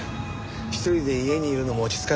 １人で家にいるのも落ち着かなくて。